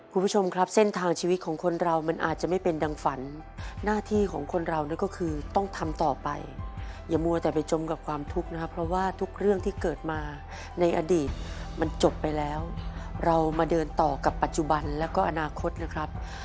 คุณผู้ชมครับเส้นทางชีวิตของคนเรามันอาจจะไม่เป็นดังฝันหน้าที่ของคนเรานั่นก็คือต้องทำต่อไปอย่ามัวแต่ไปจมกับความทุกข์นะครับเพราะว่าทุกเรื่องที่เกิดมาในอดีตมันจบไปแล้วเรามาเดินต่อกับปัจจุบันแล้วก็อนาคตนะครับ